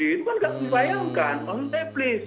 itu kan nggak dibayangkan